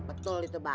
betul itu bang